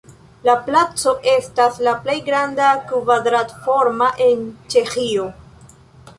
La placo estas la plej granda kvadrat-forma en Ĉeĥio.